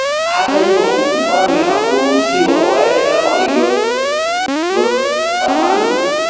Hata hivyo mfalme hakuwaruhusu waende kama walivyotamani